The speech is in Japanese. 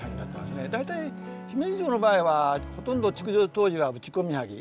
大体姫路城の場合はほとんど築城当時は打ち込みはぎ。